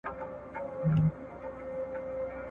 باور د یوې باثباته او پرمختللي ټولني زړه دئ.